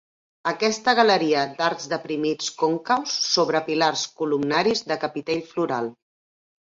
Aquesta galeria d'arcs deprimits còncaus sobre pilars columnaris de capitell floral.